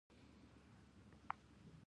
لاړې که نه؟